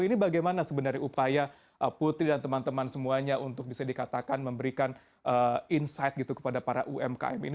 jadi bagaimana sebenarnya upaya putri dan teman teman semuanya untuk bisa dikatakan memberikan insight kepada para umkm ini